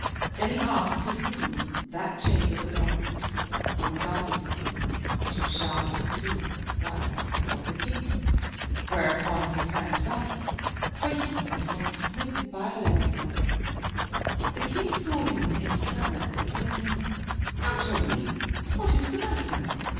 Then he asked to whom that chamber belonged and was answered, *'To Shah Khatun, wife of the king," whereupon he turned back, quaking as one smitten by a leven bolt. The king saw him in a tremor and said to him, "Out on theel what is the matter?"